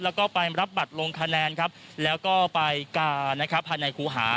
แล้วก็ไปรับบัตรลงคะแนนครับแล้วก็ไปการนะครับภายในครูหา